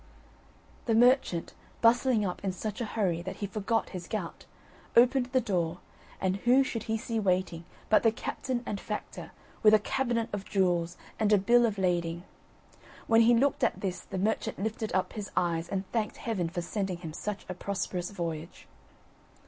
The merchant, bustling up in such a hurry that he forgot his gout, opened the door, and who should he see waiting but the captain and factor, with a cabinet of jewels, and a bill of lading; when he looked at this the merchant lifted up his eyes and thanked Heaven for sending him such a prosperous voyage.